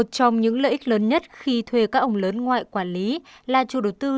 một trong những lợi ích lớn nhất khi thuê các ông lớn ngoại quản lý là chủ đầu tư